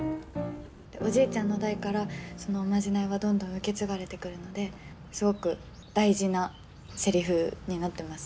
おじいちゃんの代からそのおまじないはどんどん受け継がれてくるのですごく大事なせりふになってます。